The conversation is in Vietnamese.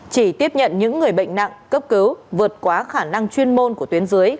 chỉ tiếp nhận những người bệnh nặng cấp cứu vượt quá khả năng chuyên môn của tuyến dưới